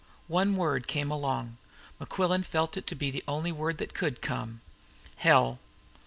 One word came along. Mequillen felt it to be the only word that could come. "Hell!"